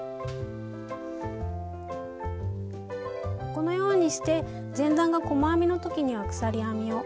このようにして前段が細編みの時には鎖編みを。